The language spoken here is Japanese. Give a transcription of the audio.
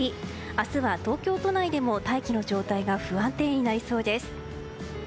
明日は東京都内でも大気の状態が不安定になりそうです。